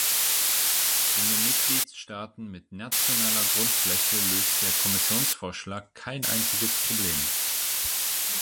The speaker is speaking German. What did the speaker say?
In den Mitgliedstaaten mit nationaler Grundfläche löst der Kommissionsvorschlag kein einziges Problem.